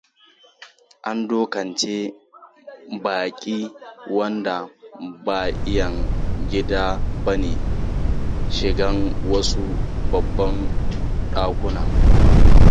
An dokance baki wanda ba iyan gida ba ne shigan wasu babban ɗakuna.